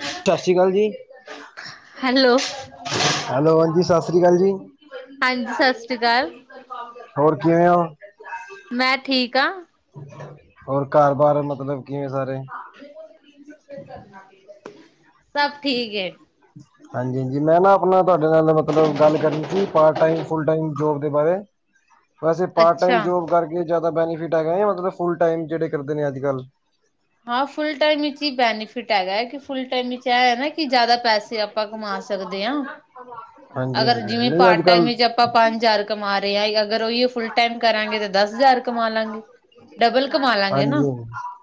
ਸਤਿ ਸ਼੍ਰੀ ਅਕਾਲ ਜੀ [inaudible] ਹੈਲੋ, ਹੈਲੋ ਹਾਂਜੀ ਸਤਿ ਸ੍ਰੀ ਅਕਾਲ ਜੀ। ਹਾਂਜੀ ਸਤਿ ਸ੍ਰੀ ਅਕਾਲ ਹੋਰ ਕਿਵੇਂ ਹੋ [inaudible] ਮੈਂ ਠੀਕ ਆਂ। ਹੋਰ ਘਰ ਬਾਰ ਮਤਲਬ ਕਿਵੇਂ ਸਾਰੇ। ਸਭ ਠੀਕ ਐ। ਹਾਂਜੀ ਜੀ ਮੈਂ ਨਾ ਆਪਨਾ ਤੁਆਡੇ ਨਾਲ ਮਤਲਬ ਗੱਲ ਕਰਨੀ ਸੀ part time full time job ਦੇ ਬਾਰੇ ਵੈਸੇ ਪਾਰਟ ਅੱਛਾ। ਟਾਈਮ ਜੋਬ ਕਰਕੇ ਜ਼ਿਆਦਾ ਬੈਨੀਫਿਟ ਹੈਗਾ ਮਤਲਬ ਫੁਲ ਟਾਈਮ ਜਿਹੜੇ ਕਰਦੇਨੇ ਅੱਜਕੱਲ੍ਹ ਹਾਂ ਫੁੱਲ ਟਾਈਮ ਵਿੱਚ ਹੀ ਬੈਨੀਫਿਟ ਹੈਗਾ ਐ, ਕਿ ਫੁੱਲ ਟਾਈਮ ਵਿੱਚ ਐ ਨਾ ਕਿ ਜ਼ਿਆਦਾ ਪੈਸੇ ਆਪਾਂ ਕਮਾ ਸਕਦੇ ਆ, ਹਾਂਜੀ ਅਗਰ ਹਾਂਜੀ ਜਿਵੇਂ ਨਹੀਂ ਅੱਜ ਪਾਰਟ ਟਾਈਮ ਕੱਲ ਵਿੱਚ ਆਪਾਂ ਆਪਾਂ ਪੰਜ ਹਜ਼ਾਰ ਕਮਾ ਰਹੇ ਆ, ਅਗਰ ਉਹੀ ਫੁੱਲਟ ਟਾਈਮ ਕਰਾਂਗੇ ਤੇ ਦਸ ਹਜ਼ਾਰ ਕਮਾਲਾਂਗੇ ਡਬਲ ਕਮਾਲਾਂਗੇ ਨਾ। ਹਾਂਜੀ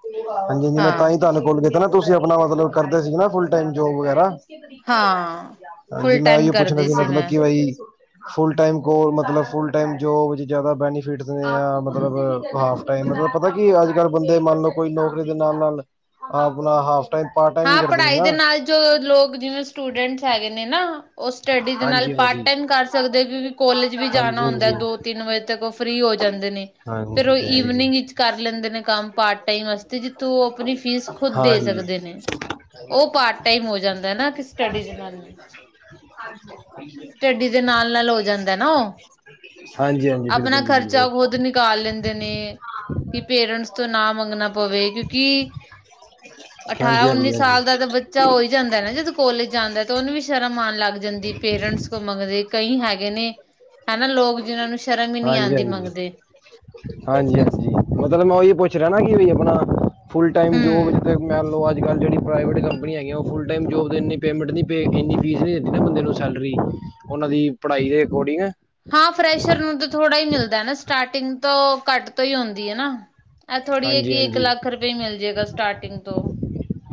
ਹਾਂਜੀ ਹਾਂਜੀ ਮੈਂ ਤਾਂ ਹਾਂ, ਈ ਤੁਹਾਨੂੰ ਕੋਲ ਕੀਤਾ ਨਾ ਤੁਸੀਂ ਆਪਣਾ ਮਤਲਬ ਕਰਦੇ ਸੀਗੇ ਨਾ ਫੁਲ ਟਾਈਮ ਜੋਬ ਵਗੈਰਾ। ਹਾਂ। ਹਾਂਜੀ, ਫੁੱਲ ਮੈਂ ਟਾਈਮ ਉਈਓ ਪੁੱਛਣਾ ਕਰਦੀ ਸੀ ਮਤਲਬ ਮੈਂ। ਕਿ ਬਾਈ ਫੁੱਲ ਟਾਈਮ ਕੋ ਮਤਲਬ ਫੁੱਲ ਟਮ ਜੋਬ ਚ ਜਾਦਾ ਬੈਨੀਿ ਮਤਲਬ ਹਾਫ ਟਾਈਮ ਪਤਾ ਕੀ ਅਜਕਲ ਬੰਦੇ ਮੰਨ ਲਓ ਕੋਈ ਨੌਕਰੀ ਦੇ ਨਾਲ ਨਾਲ ਆਪਣਾ ਹਾਫ ਟਾਈਮ ਪਾਰਟ ਟਾਈਮ ਵੀ ਹਾਂ ਕਰਦੇ ਨੇ ਪੜ੍ਹਾਈ ਦੇ ਨਾ ਨਾਲ ਜੋ ਲੋਕ ਜਿਵੇਂ ਸਟੂਡੈਂਟਸ ਹੈਗੇ ਨੇ ਨਾ ਓ ਸਟੱਡੀ ਦੇ ਨਾਲ ਹਾਂਜੀ ਪਾਰਟ ਹਾਂਜੀ ਟਾਈਮ ਕਰ ਸਕਦੇ, ਕਿਉਂਕਿ ਕੋਲਜ ਵੀ ਹਾਂਜੀ ਜਾਣਾ ਹੁੰਦਾ ਹਾਂਜੀ ਦੋ ਤਿੰਨ ਵਜੇ ਤੱਕ। ਫ੍ਰਰੀ ਹੋ ਜਾਂਦੇ ਨੇ ਫਿਰ ਹਾਂਜੀ ਓ ਹਾਂਜੀ ਈਵਨਿੰਗ ਵਿੱਚ ਕਰ ਲੈਂਦੇ ਨੇ ਕੰਮ ਪਾਰਟ ਟਾਈਮ ਵਾਸਤੇ ਜਿੱਥੋਂ ਓਆਪਣੀ ਫੀਸ ਖੁੱਦ ਦੇ ਹਾਂਜੀ ਸਕਦੇ ਨ ਓ ਪਾਰਟ ਟਾਈਮ ਹੋ ਜਾਂਦਾ ਨਾ ਸਟੱਡੀ ਨਾਲ। [unintelligible] ਸਟੱਡੀ ਦੇ ਨਾਲ-ਨਾਲ ਹੋ ਜਾਂਦਾ ਐ ਨਾ ਓ ਹਾਂਜੀ, ਹਾਂਜੀ ਆਪਣਾ ਬਿਲਕੁਲ ਜੀ ਬਿਲਕੁਲ ਖ਼ਰਚਾ ਖੁੱਦ ਨਿਕਾਲ ਲੈਂਦੇ ਨੇ ਕੀ ਪੇਰੰਟਸ ਤੋਂ ਨਾ ਮੰਗਣਾ ਪਵੇ, ਕਿਉਂਕਿ ਅਠਾਰਾਂ ਹਾਂਜੀ ਹਾਂਜੀ ਉੱਨੀ ਹਾਂਜੀ ਸਾਲ ਦਾ ਤੈ ਬ ਜਾਂ ਓ ਹੀ ਜਾਂਦਾ ਨਾ ਜਦੋਂ ਕੋਲੇਜ ਜਾਂਦਾ ਤਾਂ ਓਨੂੰ ਵੀ ਸ਼ਰਮ ਆਣ ਲੱਗ ਜਾਂਦੀ ਪੇਰੰਟਸ ਮੰਗਦੇ ਕਈ ਹੈਗੇ ਨੇ ਹੈਨਾ ਲੋਕ, ਜਿਨਾਂ ਨੂੰ ਸ਼ਰਮ ਈ ਨੀ ਆਂਦੀ ਮੰਗਦੇ। ਹਾਂਜੀ-ਹਾਜੀ ਮਤਲਬ, ਮੈਂ ਉਹੀ ਪੁੱਛ ਰਿਆ ਨਾ ਕਿ ਆਪਣਾ ਫੁੱਲ ਟਮ ਜੋਬ ਹਮ ਲ ਅੱਜ ਕ [inaudible] ਜਿਹੜੀ ਪ੍ਰਵੇਟ ਹੈਗੀਆਂ ਓ ਫੁਲ ਟਾਈਮ ਜੋਬ ਇੰਨੀ ਪੇਮੈਂਟ ਨਹੀਂ ਪ ਇੰਨੀ ਫੀਸ ਨਹੀਂ ਨਾ ਬੰਦੇ ਨੂੰ ਸੈਲਰੀ ਓਨਾਂ ਦੀ ਪੜ੍ਹਾਈ ਦੇ ਅਕੋਰਡਿੰਗ ਹਾਂ ਫਰੈਸ਼ਰ ਨੂੰ ਤਾਂ ਥੋੜ੍ਹਾ ਈ ਮਿਲਦਾ ਨਾ, ਸਟਾਰਟਿੰਗ ਤੋਂ ਕੱਟ ਤੋਂ ਈ ਆਉਂਦੀ ਹੈ ਨਾ ਐ ਥੋੜ੍ਹੀ ਏ, ਹਾਂਜੀ ਕਿ ਹਾਂਜੀ ਇੱਕ-ਲੱਖ ਰੁਪਏ ਮਿਲਜੇਗਾ ਸਟਾਰਟਿੰਗ ਤੋਂ।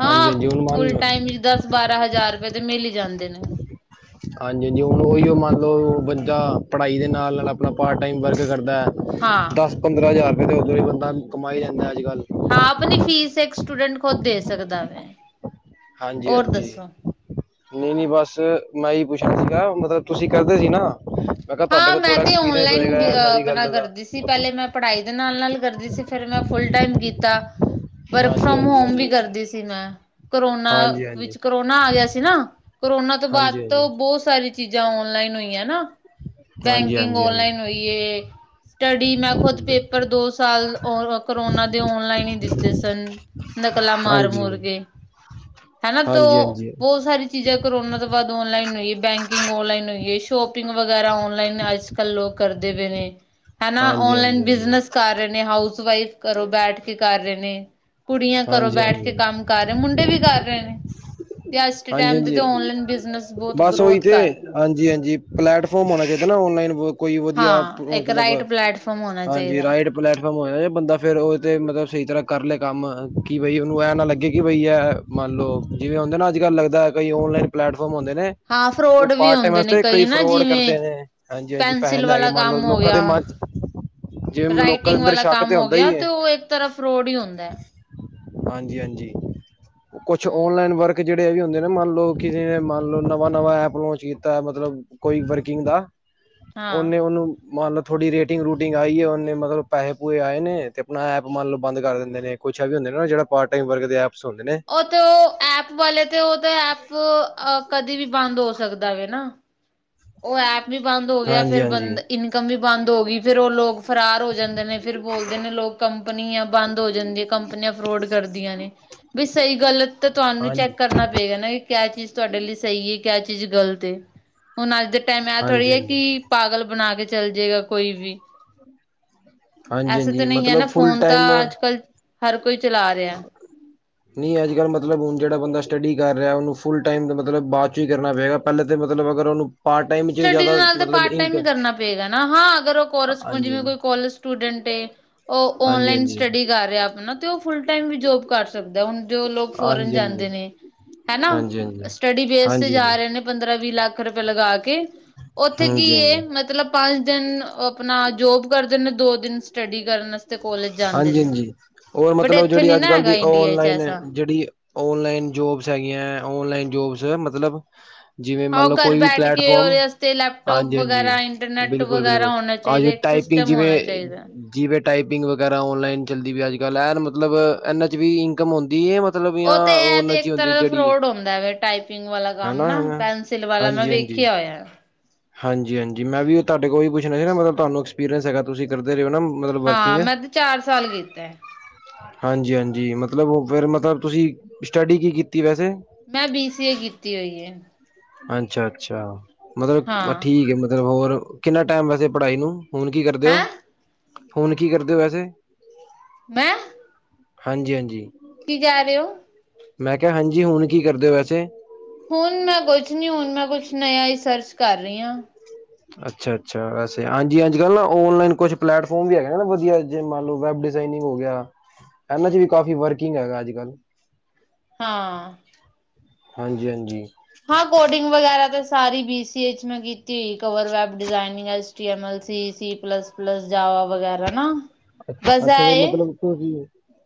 ਹਾਂ, ਹਾਂਜੀ ਹਾਂਜੀ ਹੁਣ ਮੰਨ ਫੁਲ ਲਓ ਟਾਈਮ ਵਿੱਚ ਦਸ-ਬਾਰਾ ਹਜ਼ਾਰ ਰੁਪਏ ਤੇ, ਮਿਲ ਹੀ ਜਾਂਦੇ ਨੇ। ਹਾਂਜੀ-ਹਾਂਜੀ, ਹੁਣ ਉਹੀਓ ਮੰਨਲੋ, ਬੰਦਾ ਪੜ੍ਹਾਈ ਦੇ ਨਾਲ-ਨਾਲ ਆਪਣਾ ਪਾਰਟ ਟਾਈਮ ਵਰਕ ਕਰਦੈ। ਹਾਂ ਦੱਸ-ਪੰਦਰਾਂ ਹਜ਼ਾਰ ਰੁਪਏ ਤੇ ਉੱਧਰੋਂ ਹੀ ਬੰਦਾ ਕਮਾਈ ਲੈਂਦਾ ਅੱਜ-ਕੱਲ। ਹਾਂ, ਆਪਣੀ ਫੀਸ ਇੱਕ ਸਟੂਡੈਂਟ ਖੁਦ ਦੇ ਸਕਦਾ ਵੇ। ਹਾਂਜੀ-ਹਾਂਜੀ। ਨਹੀਂ-ਨਹੀਂ, ਬਸ 'ਮੈਂ' ਐ ਈ ਪੁੱਛਣਾ ਸੀਗਾ, ਮਤਲਬ ਤੁਸੀਂ ਕਰਦੇ ਸੀ ਨਾ? ਮੈਂ ਕਿਹਾ ਤੁਹਾਡੇ ਹਾਂ, ਕੋਲ ਮੈਂ, ਥੋੜਾ ਤੇ ਐਕਸਪੀਰੀਅੰਸ ਔਨਲਾਈਨ ਹੋਏਗਾ ਵੀ ਇਹਨਾਂ ਦੀ ਆਪਣਾ ਗੱਲ ਦਾ ਕਰਦੀ ਸੀ, ਪਹਿਲੇ ਮੈਂ ਪੜ੍ਹਾਈ ਦੇ ਨਾਲ-ਨਾਲ ਕਰਦੀ ਸੀ, ਫਿਰ ਮੈਂ ਫੁਲ ਟਾਈਮ ਕੀਤਾ। ਵਰਕ ਹਾਂਜੀ ਫਰੌਮ ਹਾਂਜੀ ਹੋਮ ਵੀ ਹਾਂਜੀ ਕਰਦੀ ਸੀ ਮੈਂ, ਕਰੋਨਾ ਹਾਂਜੀ ਹਾਂਜੀ ਵਿੱਚ, ਕਰੋਨਾ ਆ ਗਿਆ ਸੀ ਨਾ। ਕਰੋਨਾ ਤੋਂ ਬਾਅਦ ਹਾਂਜੀ ਤੋਂ ਬਹੁ ਸਾਰੀ ਚੀਜ਼ਾਂ ਔਨਲਾਈਨ ਹੋਈਆਂ ਨਾ ਹਾਂਜੀ ਬੈਂਕਿੰਗ ਹਾਂਜੀ ਔਨਲਾਈਨ ਹੋਈਏ, ਸਟੱਡੀ ''ਮੈਂ ਖੁਦ ਪੇਪਰ ਦੋ ਸਾਲ ਉਹ ਕਰੋਨਾ ਦੇ ਔਨਲਾਈਨ ਹੀ ਦਿੱਤੇ ਸਨ, ਨਕਲਾਂ ਮਾਰ-ਮੁਰਕੇ। ਹ [inaudible] ਹੈਨਾ ਤੋ, ਬਹੁਤ ਸਾਰੀ ਚੀਜੇ਼ ਕੋਰੋਨਾ ਤੋਂ ਬਾਅਦ ਔਨਲਾਈਨ ਹੋਈਏ, ਬੈਂਕਿੰਗ ਔਨਲਾਈਨ ਹੋਈਏ, ਸ਼ੋਪਿੰਗ ਵਗੈਰਾ ਔਨਲਾਈਨ ਅੱਜ-ਕੱਲ ਕਰਦੇ ਪਏ ਨੇ, ਹੈਨਾ ਹਾਂਜੀ ਔਨਲਾਈਨ ਹਾਂਜੀ ਹਾਂਜੀ ਹਾਂਜੀ ਬਿਜਨਸ ਕਰ ਰਹੇ ਨੇ, ਹਾਊਸ-ਵਾਈਫ ਘਰੋ ਬੈਠਕੇ ਕਰ ਰਹੇ ਨੇ। ਕੁੜੀਆਂ ਘਰੋ ਹਾਂਜੀ ਬੈਠਕੇ ਹਾਂਜੀ ਕੰਮ ਕਰ ਰਹੇ, ਮੁੰਡੇ ਵੀ ਕਰ ਰਹੇ ਤੇ ਅੱਜ ਦੇ ਟਾਇਮ ਤੇ ਤੇ, ਹਾਂਜੀ ਔਨਲਾਈਨ ਬਿਜਨਸ ਬਹੁਤ ਗ੍ਰੋਥ ਕਰ ਹਾਂਜੀ-ਹਾਂਜੀ, ਪਲੈਟਫੌਰਮ ਹੋਣਾ ਚਾਹੀਦਾ ਨਾ, ਔਨਲਾਈਨ ਕੋਈ ਵਧੀਆ, ਹਾਂ ਇੱਕ ਮਤਲਬ ਰਾਈਟ ਪਲੈਟਫਾਰਮ ਹੋਣਾ ਹਾਂਜੀ ਚਾਹੀਦਾ ਰਾਈਡ ਪਲੇੈਟਫਾਰਮ ਹੋਇਆ, ਜੇ ਬੰਦਾ ਫਿਰ ਉਹ ਤੇ ਮਤਲਬ ਸਹੀ ਤਰ੍ਹਾਂ ਕਰਲੇ ਕੰਮ। ਕਿ ਬਈ, ਉਹਨੂੰ ਐ ਨਾ ਲੱਗੇ ਕਿ ਬਈ ਇਹ ਮੰਨਲੋ, ਜਿਵੇਂ-ਹੁੰਦਾ ਨਾ ਅੱਜ-ਕੱਲ ਲੱਗਦਾ, ਕਈ ਔਨਲਾਈਨ ਪਲੇੈਟਫੌਰਮ ਹੁੰਦੇ ਨੇ ਹਾਂ ਉਹ ਫਰੋਡ ਵੀ ਪਾਰਟ ਟਾਈਮ ਹੁੰਦੇ ਨੇ ਵਾਸਤੇ ਕਈ ਨਾ ਫਰੌਡ ਜਿਵੇਂ ਕਰਦੇ ਨੇ। ਹਾਂਜੀ-ਹਾਂਜੀ, ਪੈਸੇ ਪੈਨਸਿਲ ਲੈਕੇ ਵਾਲਾ ਮੰਨਲੋ, ਕੰਮ ਹੋ ਲੋਕਾਂ ਗਿਆ ਦੇ ਮਨ'ਚ ਜਿਮ ਲੋਕਾਂ ਦੇ ਅੰਦਰ ਸ਼ੱਕ ਤੇ ਆਉਂਦਾ ਈ ਏ। ਤਰਫ ਰੋਡ ਹੀ ਹੁੰਦਾ ਹੈ। ਹਾਂਜੀ-ਹਾਂਜੀ, ਕੁਛ ਹਮ ਓਨਲਾਈਨ ਵਰਕ ਜਿਹੜੇ-ਇਹ ਵੀ ਹੁੰਦੇ ਨੇ, ਨਾ ਮੰਨਲੋ, ਕਿਸੇ ਨੇ ਮੰਨਲੋ, ਨਵਾਂ-ਨਵਾਂ ਐਪ ਲੌਂਚ ਕੀਤਾ ਏ, ਮਤਲਬ ਕੋਈ ਵਰਕਿੰਗ ਦਾ, ਹਾਂ ਉਹਨੇ ਉਹਨੂੰ ਮੰਨਲਓ, ਥੋੜੀ ਰੇਟਿੰਗ-ਰੂਟਿੰਗ ਆਈ ਏ, ਓਂਨੇ ਮਤਲਬ ਪੈਹੇ-ਪੂਹੇ ਆਏ ਨੇ, ਤੇ ਆਪਣਾ ਐਪ ਮੰਨਲੋ ਬੰਦ ਕਰ ਦਿੰਦੇ ਨੇ। ਕੁਛ ਐ ਵੀ ਹੁੰਦਾ ਨਾ, ਜਿਹੜਾ ਪਾਰਟ ਟਾਈਮ ਵਰਕ ਦੇ ਐਪਸ ਹੁੰਦੇ ਨੇ। ਉਹ ਤੋ ਉਹ ਐਪ ਵਾਲੇ ਤੇ, ਉਹ ਤੇ ਐਪ ਕਦੇ ਵੀ ਬੰਦ ਹੋ ਸਕਦਾ ਵੇਨਾ ਉਹ ਐਪ ਵੀ ਬੰਦ ਹੋਗਿਆ, ਹਾਂਜੀ ਫਿਰ ਹਾਂਜੀ ਬੰਦ--ਇਨਕਮ ਵੀ ਬੰਦ ਹੋਗੀ, ਫਿਰ ਉਹ ਲੋਕ ਫਰਾਰ ਹੋ ਜਾਂਦੇ ਨੇ, ਫਿਰ ਬੋਲਦੇ ਨੇ ਲੋਕ ਕੰਪਨੀਆਂ ਬੰਦ ਹੋ ਜਾਂਦੀਆਂ। ਕੰਪਨੀਆਂ ਫਰੋਡ ਕਰਦੀਆਂ ਨੇ। ਵੀ ਸਹੀ-ਗਲਤ ਤੇ, ਤੁਹਾਨੂੰ ਹਾਂਜੀ ਚੈੱਕ ਕਰਨਾ ਪਏਗਾ ਨਾ, ਏ ਕਿਆ ਚੀਜ਼ ਤੁਹਾਡੇ ਲਈ ਸਹੀ ਏ, ਕਿਆ ਚੀਜ਼ ਗ਼ਲਤ ਏ। ਹੁਣ ਅੱਜ ਦੇ ਟਾਈਮ ਐਂ ਥੋੜ੍ਹੀ ਹਾਂਜੀ ਹੈ ਹਾਂਜੀ ਕਿ, ਪਾਗਲ ਬਣਾਕੇ ਚੱਲਜੇਗਾ ਕੋਈ ਵੀ। ਹਾਂਜੀ ਐਸੇ ਹਾਂਜੀ ਤੇ ਨਹੀਂ ਏ ਨਾ, ਮਤਲਬ ਫੁੱਲ ਫੋਨ ਟਾਈਮ ਤਾਂ ਅੱਜ-ਕੱਲ ਹਰ ਕੋਈ ਚਲਾ ਰਿਹਾ। ਹ [inaudible] ਨਹੀਂ ਅੱਜ-ਕੱਲ ਮਤਲਬ ਹੁਣ ਜਿਹੜਾ ਬੰਦਾ ਸਟੱਡੀ ਕਰ ਰਿਹਾ, ਉਹਨੂੰ ਫੁਲ ਟਾਈਮ ਮਤਲਬ ਬਾਅਦ'ਚ ਹੀ ਕਰਨਾ ਪਏਗਾ। ਪਹਿਲੇ ਤੇ, ਮਤਲਬ ਅਗਰ ਉਹਨੂੰ ਪਾਰਟ ਟਾਈਮ 'ਚ ਸਟੱਡੀ ਜ਼ਿਆਦਾ ਨਾਲ ਤੇ ਮਤਲਬ ਪਾਰਟ ਇੰਕ ਟਾਈਮ ਹੀ ਕਰਨਾ ਪਏਗਾ ਨਾ, ਹਾਂ ਅਗਰ ਉਹ ਕੋਰਸ, ਹਾਂਜੀ ਜਿਵੇਂ ਹਾਂਜੀ ਕੋਈ ਕੋਲੇਜ ਸਟੂਡੈਂਟ ਏ‌। ਉਹ, ਹਾਂਜੀ ਓਨਲਾਈਨ ਹਾਂਜੀ ਸਟੱਡੀ ਕਰ ਰਿਹਾ ਆਪਨਾ, ਤੇ ਓਹ ਫੁਲ ਟਾਇਮ ਵੀ ਜੋਬ ਕਰ ਸਕਦਾ। ਜੋ ਲੋਕ ਫੋਰਨ ਹਾਂਜੀ ਹਾਂਜੀ ਜਾਂਦੇ ਨੇ, ਹਨਾ। ਹਾਂਜੀ ਹਾਂਜੀ ਸਟੱਡੀ ਬੇਸ ਤੇ ਜਾ ਹਾਂਜੀ ਰਹੇ ਨੇ ਪੰਦਰਾਂ-ਵੀਹ ਲੱਖ ੱਖ ਰੁਪਏ ਲਗਾਕੇ, ਉੱਥੇ ਕੀ ਹਾਂਜੀ ਏ, ਹਾਂਜੀ ਮਤਲਬ ਪੰਜ-ਦਿਨ ਉਹ ਆਪਣਾ ਜੋਬ ਕਰਦੇ ਨੇ, ਦੋ-ਦਿਨ ਸਟੱਡੀ ਕਰਨ ਕੋਲਜ ਜਾਂਦੇ ਨੇ ਹਾਂਜੀ-ਹਾਂਜੀ, ਓਰ ਬਟ ਮਤਲਬ ਇੱਥੇ ਜਿਹੜੀ ਨੀ ਨਾ ਅੱਜ-ਕੱਲ ਹੈਗਾ ਦੀ ਇੰਡੀਆ ਚ ਔਨਲਾਈਨ ਏ, ਐਸਾ ਜਿਹੜੀ ਓਨਲਾਈਨ ਜੋਬਸ ਹੈਗੀਆਂ, ਓਨਲਾਈਨ ਜੋਬਸ, ਮਤਲਬ ਜਿਵੇਂ ਹਾਂ ਉਹ ਮੰਨਲੋ‌, ਘਰ ਕੋਈ ਵੀ ਬੈਠ ਕੇ ਪਲੈਟਫਾਰਮ ਉਹਦੇ ਵਾਸਤੇ ਲੈਪਟੋਪ ਵਗੈਰਾ ਹਾਂਜੀ-ਹਾਂਜੀ, ਇੰਟਰਨੈਟ ਵਗੈਰਾ ਬਿਲਕੁਲ-ਬਿਲਕੁਲ, ਹੋਣਾ ਆ ਚਾਹੀਦਾ ਇੱਕ ਟਾਇਪਿੰਗ, ਸਿਸਟਮ ਹੋਣਾ ਜਿਵੇਂ ਚਾਹੀਦਾ ਜਿਵੇ, ਟਾਇਪਿੰਗ ਵਗੈਰਾ ਔਨਲਾਈਨ ਚੱਲਦੀ ਪਈ ਅੱਜ-ਕੱਲ, ਐਨ ਮਤਲਬ, ਇਹਨਾਂ'ਚ ਵੀ ਇਨਕਮ ਹੰਦੀ ਏ, ਮਤ ਉਹ ਤੇ ਇਹ ਤੇ ਇੱਕ ਤਰ੍ਹਾਂ ਦਾ ਫਰੋਡ ਹੁੰਦਾ ਵੇਖ ਟਾਈਪਿੰਗ ਵਾਲਾ ਕੰਮ ਹਨਾ ਨਾ ਹਨਾ ਪੈਨਸਿਲ ਵਾਲਾ ਮੈਂ ਹਾਂਜੀ ਹਾਂਜੀ ਵੇਖਿਆ ਹੋਇਆ। ਹਾਂਜੀ- ਹਾਂਜੀ ਮੈਂ ਵੀ ਤੁਹਾਡੇ ਕੋਲੋ ਹੀ ਪੁੱਛਣਾ ਸੀ ਨਾ ਮਤਲਬ ਤੁਹਾਨੂੰ ਐਕਸਪੀਰੀਅੰਸ ਹੈਗਾ। ਤੁਸੀਂ ਕਰਦੇ ਰਹੇ ਹੋ ਨਾ ਮਤਲਬ ਹਾਂ, ਵਰਕਿੰਗ ਮੈਂ ਤੇ ਚਾਰ ਸਾਲ ਕੀਤਾ। ਹਾਂਜੀ-ਹਾਂਜੀ। ਮਤਲਬ ਫਿਰ ਮਤਲਬ ਤੁਸੀਂ ਸਟੱਡੀ ਕੀ ਕੀਤੀ ਵੈਸੇ ਮੈਂ ਬੀ ਸੀ ਏ ਕੀਤੀ ਹੋਈ ਏ। ਅੱਛਾ-ਅੱਛਾ ਮਤਲਬ ਹਾਂ ਠੀਕ ਏ ਮਤਲਬ ਹੋਰ ਕਿੰਨਾ ਟਾਈਮ ਵੈਸੇ ਪੜ੍ਹਾਈ ਨੂੰ ਹੁਣ ਕੀ ਕਰਦੇ ਓ ਹੈਂ ਹੁਣ ਕੀ ਕਰਦੇ ਓ ਵੈਸੇ ਮੈਂ ਹਾਂਜੀ-ਹਾਂਜੀ। ਕੀ ਕਹਿ ਰਹੇ ਔ? ਮੈਂ ਕਿਹਾ ਹਾਂਜੀ, ਹੁਣ ਕੀ ਕਰਦੇ ਔ। ਵੈਸੇ ਹੁਣ, ਮੈਂ ਕੁਛ ਨੀ। ਹੁਣ ਮੈਂ ਕੁਛ ਨਯਾ ਰਿਸਰਚ ਕਰ ਰਹੀ ਆਂ। ਅੱਛਾ-ਅੱਛਾ। ਵੈਸੇ ਹਾਂਜੀ-ਹਾਂਜੀ ਅੱਜ-ਕੱਲ੍ਹ ਨਾ ਔਨਲਾਈਨ ਕੁੱਛ ਪਲੈਟਫੋਮ ਵੀ ਹੈਗੇ ਨੇ ਨਾ ਵਧੀਆ ਜੇ ਮੰਨ ਲਓ ਵੈਬ ਡਿਜ਼ਾਇਨਿੰਗ ਹੋ ਗਿਆ। ਇਹਨਾਂ ਚ ਵੀ ਕਾਫੀ ਵਰਕਿੰਗ ਹੈਗਾ ਅੱਜ-ਕੱਲ੍ਹ ਹਾਂ। ਹਾਂਜੀ-ਹਾਂਜੀ। ਹਾਂ, ਕੋਡਿੰਗ ਵਗੈਰਾ ਤਾਂ ਸਾਰੀ ਬੀਸੀਏ ਚ ਕੀਤੀ ਹੋਈ ਕਵਰ ਵੈਬ ਡਿਜ਼ਾਇਨਿੰਗ ਐਜ ਕੀ ਮ ਲ ਸੀ, ਸੀ ਪਲਸ-ਪਲਸ, ਜਾਵਾ ਵਗੈਰਾ ਨਾ ਬਸ ਅੱਛ-ਅੱਛਾ ਫਿਰ ਇਹ ਏ ਮਤਲਬ ਤੁਸੀਂ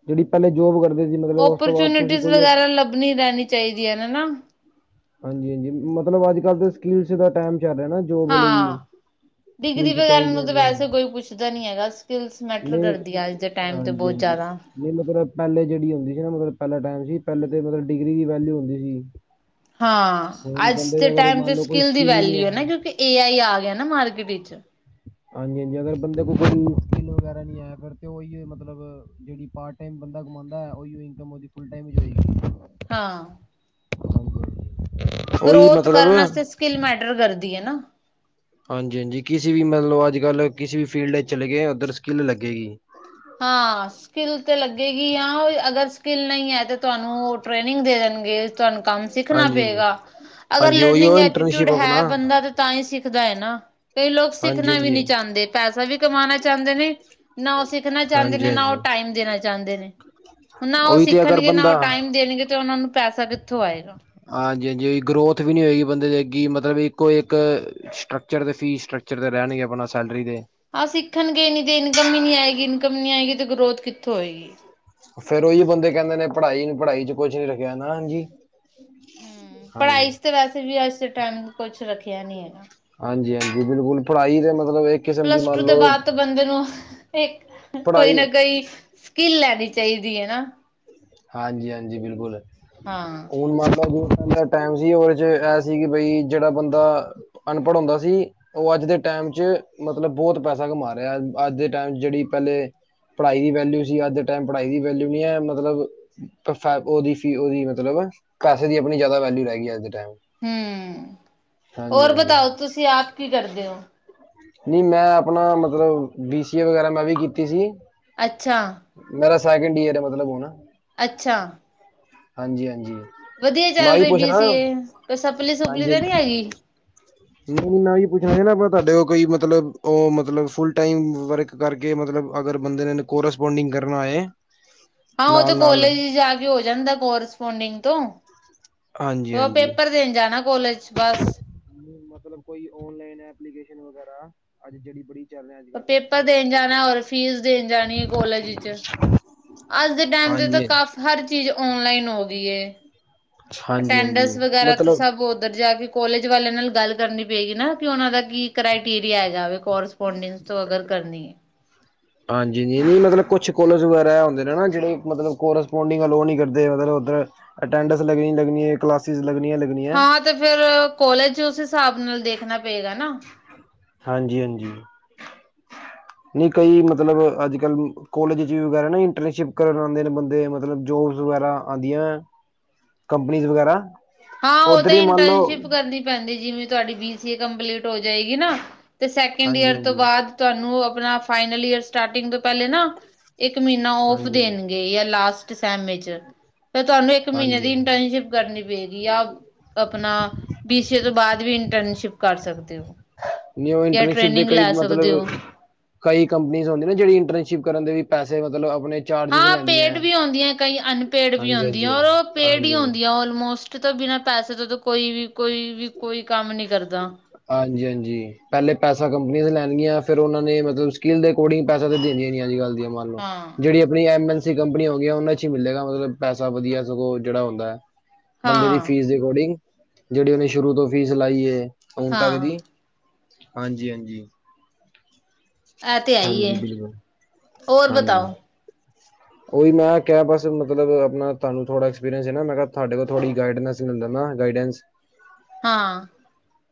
ਜਿਹੜੀ ਪਹਿਲੇ ਜੋਬ ਕਰਦੇ ਸੀ। ਮਤਲਬ ਉਸ ਤੋਂ ਬਾਅਦ ਤੁਸੀਂ ਓਪਰਚੁਨਿਟੀਜ਼ ਕੋਈ ਵਗੈਰਾ ਲੱਭਣੀ ਰਹਿਣੀ ਚਾਹੀਦੀਆਂ ਨੇ ਨਾ ਹਾਂਜੀ-ਹਾਂਜੀ ਮਤਲਬ ਅੱਜ-ਕੱਲ੍ਹ ਦੇ ਸਕੀਮਸ ਦਾ ਟੇਮ ਚੱਲ ਰਿਹਾ ਨਾ ਜੋਬ ਲਈ। ਹਾਂ ਡਿਗਰੀ ਸਕਿੱਲਸ ਵਗੈਰਾ ਚਾਹੀਦੀਆਂ ਨੂੰ ਤਾਂ ਹੁੰਦੀਆਂ ਨੇ, ਵੈਸੇ ਕੋਈ ਪੁੱਛਦਾ ਨੀ ਹੈਗਾ ਸਕਿੱਲਸ ਮੈਟਰ ਕਰਦੀ ਆਂ ਅੱਜ ਤੇ ਟੇਮ ਤੇ ਬਹੁਤ ਜ਼ਿਆਦਾ। ਨਈ ਮਤਲਬ ਪਹਿਲੇ ਜਿਹੜੀ ਹੁੰਦੀ ਸੀ ਨਾ ਮਤਲਬ ਪਹਿਲੇ ਟਾਈਮ ਸੀ ਪਹਿਲੇ ਤੇ ਮਤਲਬ ਡਿਗਰੀ ਦੀ ਵੈਲਿਊ ਹੁੰਦੀ ਸੀ। ਹਾਂ ਹੁਣ ਅੱਜ ਬੰਦੇ ਦੇ ਅਗਰ ਟੈਮ ਮੰਨ ਤੇ ਲਓ ਕੋਈ ਸਕਿੱਲ ਦੀ ਹੀ ਨਹੀਂ ਵੈਲਿਊ ਏ ਹੈ। ਨਾ ਕਿਉਂਕਿ ਏ ਆਈ ਆ ਗਿਆ ਨਾ ਮਾਰਕੀਟ ਵਿੱਚ। ਹਾਂਜੀ-ਹਾਂਜੀ ਅਗਰ ਬੰਦੇ ਕੋਲ ਕੋਈ ਸਕਿੱਲ ਵਗੈਰਾ ਨੀ ਐ ਫਿਰ ਤੇ ਉਈ ਏ ਮਤਲਬ ਜਿਹੜੀ ਪਾਰਟ ਟਾਈਮ ਬੰਦਾ ਕਮਾਂਦਾ ਉਈਓ ਇਨਕਮ ਉਦੀ ਫੂਲ ਟੈਮ ਦੀ ਹੋਏਗੀ। ਹਾਂ। ਉਹੀ ਗਰੋਥ ਮਤਲਬ ਕਰਨ ਆਸਤੇ ਹਾਂਜੀ, ਸਕਿੱਲ ਮੈਟਰ ਕਰਦੀ ਏ ਨਾ। ਹਾਂਜੀ-ਹਾਂਜੀ ਕਿਸੀ ਵੀ ਮਤਲਬ ਅੱਜ-ਕੱਲ੍ਹ ਕਿਸੀ ਵੀ ਫੀਲਡ ਚਲੇ ਗਏ ਉੱਧਰ ਸਕਿੱਲ ਲੱਗੇਗੀ। ਹਾਂ ਸਕਿੱਲ ਤੇ ਲੱਗੇਗੀ ਆ, ਅਗਰ ਸਕਿੱਲ ਨਹੀਂ ਹੈ ਤੇ ਤੁਹਾਨੂੰ ਉਹ ਟ੍ਰੇਨਿੰਗ ਦੇ ਦੇਣਗੇ। ਤੁਹਾਨੂੰ ਕੰਮ ਸਿੱਖਣਾ ਹਾਂਜੀ, ਹਾਂਜੀ। ਪਏਗਾ। ਅਗਰ ਹਾਂਜੀ ਉਹੀ ਲਰਨਿੰਗ ਉਹ ਇੰਟਰਨਸ਼ਿਪ ਐਟੀਟਿਊਡ ਆਪਣਾ ਹੈ ਬੰਦਾ ਤਾਂ ਹੀ ਸਿੱਖਦਾ ਹੈ ਨਾ, ਕਈ ਲੋਕ ਹਾਂਜੀ ਸਿੱਖਣਾ ਵੀ ਹਾਂਜੀ ਨੀ ਚਾਹੰਦੇ। ਪੈਸਾ ਵੀ ਕਮਾਣਾ ਚਾਹੰਦੇ ਨੇ, ਨਾ ਉਹ ਸਿੱਖਣਾ ਚਾਹੰਦੇ ਹਾਂਜੀ ਨੇ, ਨਾ ਉਹ ਹਾਂਜੀ ਟਾਈਮ ਦੇਣਾ ਚਾਹੁੰਦੇ ਨੇ। ਨਾ ਉਹ ਉਹੀ ਤੇ ਅਗਰ ਸਿੱਖਣਗੇ ਨਾ, ਬੰਦਾ ਉਹ ਟਾਈਮ ਦੇਣਗੇ ਤੇ ਉਹਨਾਂ ਨੂੰ ਪੈਸਾ ਕਿੱਥੋਂ ਆਏਗਾ। ਹਾਂਜੀ-ਹਾਂਜੀ ਗਰੋਥ ਵੀ ਨੀ ਹੋਏਗੀ ਬੰਦੇ ਦੇ ਅਗੀ ਮਤਲਬ ਇੱਕੋ-ਇੱਕ ਸਟਕਚੱਰ ਅਤੇ ਫੀਸ ਸਟਕਚੱਰ ਤੇ ਰਹਿਣਗੇ। ਆਪਣਾ ਸੈਲਰੀ ਦੇ ਆਹ ਸਿੱਖਣਗੇ ਨਹੀਂ ਤੇ ਇਨਕਮ ਹੀ ਨੀ ਆਏਗੀ, ਇਨਕਮ ਨੀ ਆਏਗੀ ਤੇ ਗਰੋਥ ਕਿੱਥੋਂ ਹੋਏਗੀ। ਫੇਰ, ਉਹੀ ਬੰਦੇ ਕਹਿੰਦੇ ਨੇ ਪੜ੍ਹਾਈ ਨੂੰ ਪੜ੍ਹਾਈ ਚ ਕੁੱਛ ਨੀ ਰਖਿਆ ਨਾ -ਹਾਂਜੀ। ਹੂੰ, ਹਾਂਜੀ ਪੜ੍ਹਾਈ ਚ ਵੈਸੇ ਵੀ ਅੱਜ ਟਾਈਮ ਕੁੱਛ ਰੱਖਿਆ ਨੀ ਹੈਗਾ। ਹਾਂਜੀ-ਹਾਂਜੀ। ਬਿਲਕੁੱਲ ਪੜ੍ਹਾਈ ਦੇ ਮਤਲਬ ਇੱਕ ਕਿਸਮ ਦੀ ਪਲੱਸ ਟੂ ਮੰਨ ਤੋਂ ਲਓ ਬਾਅਦ ਤੋਂ ਬੰਦੇ ਨੂੰ ਇੱਕ ਕੋਈ ਪੜ੍ਹਾਈ ਨਾ ਕੋਈ ਸਕਿੱਲ ਲੈਣੀ ਚਾਹੀਦੀ ਏ ਨਾ। ਹਾਂਜੀ-ਹਾਂਜੀ ਬਿਲਕੁੱਲ। ਹਾਂ। ਮਾਤਾ ਜੀ ਦਾ ਟਾਈਮ ਸੀ ਉਹਦੇ ਚ ਐਹ ਸੀ ਕਿ ਬਈ ਜਿਹੜਾ ਬੰਦਾ ਅਨਪੜ੍ਹ ਹੁੰਦਾ ਸੀ ਉਹ ਅੱਜ ਦੇ ਟੈਮ ਚ ਮਤਲਬ ਬਹੁਤ ਪੈਸਾ ਕਮਾ ਰਿਹਾ ਅੱਜ ਦੇ ਟੈਮ ਚ ਜਿਹੜੀ ਪਹਿਲੇ ਪੜ੍ਹਾਈ ਦੀ ਵੈਲਿਊ ਸੀ ਅੱਜ ਦੇ ਟੈਮ ਪੜ੍ਹਾਈ ਦੀ ਵੈਲਿਊ ਨੀ ਐ ਮਤਲਬ ਪਰ ਫੈ ਉਹਦੀ ਫੀ ਉਹਦੀ ਮਤਲਬ ਪੈਸੇ ਦੀ ਆਪਣੀ ਜਿਆਦਾ ਵੈਲਿਊ ਰਹਿ ਗਈ ਅੱਜ ਦੇ ਟਾਈਮ। ਹੂੰ, ਹਾਂਜੀ ਔਰ ਹਾਂਜੀ ਬਤਾਓ ਤੁਸੀਂ ਆਪ ਕੀ ਕਰਦੇ ਓ? ਨਈ ਮੈਂ ਆਪਣਾ ਮਤਲਬ ਬੀ ਸੀ ਏ ਵਗੈਰਾ ਮੈਂ ਵੀ ਕੀਤੀ ਸੀ। ਅੱਛਾ। ਮੇਰਾ ਸੈਕਿੰਡ ਈਅਰ ਏ ਮਤਲਬ ਹੁਣ। ਅੱਛਾ। ਹਾਂਜੀ-ਹਾਂਜੀ। ਵਧੀਆ ਚੱਲ ਰਹੀ ਬੀ ਸੀ ਏ ਕੋਈ ਸਪਲੀ ਸੁਪਲੀ ਤਾਂ ਨੀ ਹੈਗੀ? ਨਾ-ਨਾ ਜੀ ਮ ਪੁੱਛਣਾ ਸੀ ਨਾ ਤੁਹਾਡੇ ਉਹ ਕੋਈ ਮਤਲਬ ਉਹ ਮਤਲਬ ਫੁਲ ਟਾਈਮ ਵਰਕ। ਕਰਕੇ ਮਤਲਬ ਅਗਰ ਬੰਦੇ ਨੇ ਕੋਰਸਪੋਂਡਿੰਗ ਕਰਨਾ ਏ। ਹਾਂ ਉਹ ਤਾਂ ਨਾਲ-ਨਾਲ ਕੋਲੇਜ ਜਾ ਕੇ ਹੋ ਜਾਂਦਾ ਕੋਰਸਪੋਂਡਿੰਗ ਤੋਂ। ਹਾਂਜੀ, ਉਹ ਹਾਂਜੀ। ਪੇਪਰ ਦੇਣ ਜਾਣਾ ਕੋਲੇਜ 'ਚ ਬਸ। ਮਤਲਬ ਕੋਈ ਓਨਲਾਈਨ ਐਪਲੀਕੇਸ਼ਨ ਵਗੈਰਾ ਅੱਜ ਜਿਹੜੀ ਬੜੀ। ਚੱਲ ਰਹੀ ਅੱਜ-ਕੱਲ ਪੇਪਰ ਮਤਲਬ ਦੇਣ ਜਾਣਾ ਸੋਸ਼ਲ। ਔਰ ਫੀਸ ਦੇਣ ਜਾਣੀ ਏ ਕੋਲਜ ਵਿਚ। ਅੱਜ ਦੇ ਟੈਮ ਤੇ ਤਾਂ ਹਾਂਜੀ, ਕਾਫ ਹਰ ਚੀਜ਼ ਓਨਲਾਈਨ ਹੋਗੀ ਏ। ਹਾਂਜੀ, ਹਾਂਜੀ ਅਟੈਨਡਸ ਵਗੈਰਾ ਤੇ ਮਤਲਬ ਸਭ ਉੱਧਰ ਜਾ ਕੇ। ਕੋਲੇਜ ਵਾਲਿਆਂ ਨਾਲ ਗੱਲ ਕਰਨੀ ਪਏਗੀ ਨਾ ਕਿ ਉਹਨਾਂ ਦਾ ਕੀ ਕਰ੍ਰਾਈਟੀਰੀਆ ਹੈਗਾ ਵੇ। ਕੋਰਸਪੋਂਡੈਂਸ ਤੋਂ ਅਗਰ ਕਰਨੀ ਏ। ਹਾਂਜੀ ਜੀ ਨੀ ਮਤਲਬ ਕੁਛ ਕੋਲੇਜ ਵਗੈਰਾ ਆ ਹੁੰਦੇ ਨਾ ਜਿਹੜੇ ਮਤਲਬ ਕੋਰਸਪੋਂਡਿੰਗ ਅਲੋ ਨੀ ਕਰਦੇ ਮਤਲਵ ਉੱਧਰ। ਅਟੈਂਡੈਂਸ ਲੱਗਣੀ ਈ ਲੱਗਣੀ ਏ ਕਲਾਸਿਸ ਲੱਗਣੀਆਂ ਲਗ। ਹਾਂ ਤੇ ਫਿਰ ਕੋਲੇਜ ਉਸ ਹਿਸਾਬ ਨਾਲ ਦੇਖਣਾ ਪਏਗਾ ਨਾ। ਹਾਂਜੀ-ਹਾਂਜੀ। ਨਈ ਕਈ ਮਤਲਬ ਅੱਜ-ਕੱਲ ਕੋਲੇਜ 'ਚ ਵਗੈਰਾ ਨਾ ਇੰਟਰਨਸ਼ਿਪ ਕਰਨ ਆਂਦੇ ਨੇ ਬੰਦੇ ਮਤਲਬ ਜੋਬਸ ਵਗੈਰਾ। ਆਂਦੀਆਂ ਕੰਪਨੀਜ ਵਗੈਰਾ। ਹਾਂ ਉਹ ਉੱਧਰ ਤਾਂ ਹੀ ਮੰਨ ਲਓ ਇੰਟਰਨਸ਼ਿਪ ਕਰਨੀ ਪੈਂਦੀ ਜਿਵੇਂ ਤੁਹਾਡੀ ਬੀ ਸੀ ਏ ਕੰਪਲੀਟ। ਹੋ ਜਾਏਗੀ ਨਾ ਤੇ ਸੈਕਿੰਡ ਹਾਂਜੀ ਈਅਰ ਤੋਂ ਹਾਂਜੀ ਬਾਅਦ। ਤੁਹਾਨੂੰ ਆਪਣਾ ਫਾਈਨਲ ਈਅਰ ਸਟਾਰਟਿੰਗ ਤੋਂ ਪਹਿਲੇ ਨਾ। ਇੱਕ ਮਹੀਨਾ ਓਫ ਹਾਂਜੀ ਹਾਂਜੀ ਦੇਣਗੇ ਯਾਂ ਲਾਸਟ ਸੇਮੇ ਚੇ ਫਿਰ ਤੁਹਾਨੂੰ ਇੱਕ ਮਹੀਨੇ ਦੀ ਹਾਂਜੀ ਇੰਟਰਨਸ਼ਿਪ। ਕਰਨੀ ਪਏਗੀ ਯਾ ਆਪਣਾ ਬੀ ਸੀ ਏ ਤੋਂ ਬਾਅਦ ਵੀ ਇੰਟਰਨਸ਼ਿਪ ਕਰ ਸਕਦੇ ਹੋ। ਨਹੀ ਊ ਜਾਂ ਇੰਟਰਨਸ਼ਿਪ ਦੇ ਟ੍ਰੇਨਿੰਗ ਕਈ ਲੈ ਸਕਦੇ ਹੋ ਮਤਲਬ। ਕਈ ਕੰਪਨੀਜ਼ ਹੁੰਦੀ ਨਾ ਜਿਹੜੀ ਇੰਟਰਨਸ਼ਿਪ ਕਰਨ ਦੇ ਵੀ ਪੈਸੇ ਮਤਲਬ ਅਪਣੇ। ਹਾਂ ਪੇਡ ਵੀ ਆਉਂਦੀ ਹੈ ਕਈ ਅਨਪੇਡ ਵੀ ਹਾਂਜੀ ਆਉਣ ਦੀਆਂ ਹਾਂਜੀ ਔਰ ਉਹ ਪੇਡ ਹੀ ਹਾਂਜੀ ਹਾਂਜੀ ਹੁੰਦੀਆਂ ਹੈ ਅਲਮੋਸਟ। ਤੇ ਤਾਂ ਬਿਨਾਂ ਪੈਸੇ ਤੋਂ ਕੋਈ ਵੀ ਕੋਈ ਵੀ ਕੋਈ ਕੰਮ ਨੀ ਕਰਦਾ। ਹਾਂਜੀ-ਹਾਂਜੀ। ਪਹਿਲੇ ਪੈਸਾ ਕੰਪਨੀਆਂ ਲੈਣੀਆਂ ਫਿਰ ਉਹਨਾਂ ਨੇ ਮਤਲਬ ਸਕਿੱਲ ਦੇ ਅਕੋਰਡਿੰਗ ਪੈਸਾ ਤਾਂ ਦਿੰਦੀਆ ਨੀ ਅੱਜ-ਕੱਲ ਦੀਆਂ। ਹਾਂ ਜਿਹੜੀ ਆਪਣੀ ਐਮ ਐਨ ਸੀ ਕੰਪਨੀਆਂ ਹੋ ਗਈਆਂ ਉਹਨਾ 'ਚ ਈ ਮਿਲੇਗਾ ਮਤਲਬ ਪੈਸਾ ਵਧੀਆ ਸਗੋਂ ਜਿਹੜਾ ਹੁੰਦਾ ਐ। ਬੰਦੇ ਦੀ ਹਾਂ ਫੀਸ ਦੇ ਅਕੋਰਡਿੰਗ ਜਿਹੜੀ ਉਹਨੇ ਸ਼ੁਰੂ ਤੋਂ ਫੀਸ ਲਾਈ ਏ ਹੁਣ ਤੱਕ ਹਾਂ ਦੀ। ਹਾਂਜੀ-ਹਾਂਜੀ। ਐ ਤੇ ਐ ਈ ਏ। ਹਾਂਜੀ ਬਿਲਕੁਲ ਔਰ ਬਤਾਓ? ਉਈ ਮੈਂ ਕਿਹਾ ਬਸ ਮਤਲਬ ਆਪਣਾ ਤੁਹਾਨੂੰ ਥੋੜ੍ਹਾ ਐਕਪਰੀਅੰਸ ਏ ਨਾ ਮੈਂ ਕਿਹਾ ਤੁਹਾਡੇ ਕੋ ਥੋੜ੍ਹੀ ਗਾਈਡਨਸ। ਹੁੰਦਾ ਨਾ ਗਾਈਡੈਂਸ। ਹਾਂ।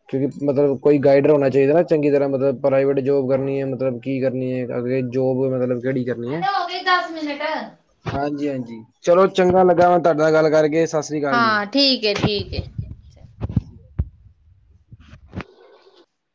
ਕਿਉਂਕਿ ਮਤਲਬ ਕੋਈ ਗਾਈਡਰ ਹੋਣਾ ਚਾਹੀਦਾ ਨਾ ਚੰਗੀ ਤਰ੍ਹਾਂ ਮਤਲਬ ਪ੍ਰਾਈਵੇਟ ਜੋਬ ਕਰਨੀ ਹੈ ਮਤਲਬ। ਕੀ ਕਰਨੀ ਹੈ ਅ ਜੋਬ ਮਤਲਬ ਕਿਹੜੀ ਕਰਨੀ ਹੈ। ਹੋ ਗਏ ਦਸ ਮਿੰਟ ਹਾਂਜੀ, ਹਾਂਜੀ ਚਲੋ ਚੰਗਾ ਲੱਗਾ, ਮੈਂ ਤੁਹਾਡੇ ਨਾਲ ਗੱਲ ਕਰਕੇ ਸਤ। ਹਾਂ, ਠੀਕ ਹੈ, ਠੀਕ ਹੈ।